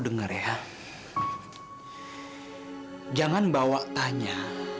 tapi alangkah baiknya